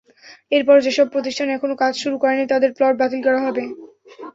এরপরও যেসব প্রতিষ্ঠান এখনো কাজ শুরু করেনি তাদের প্লট বাতিল করা হবে।